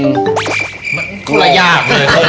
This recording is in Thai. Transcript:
ก็หลายอย่างเลยเค้าหลายอย่าง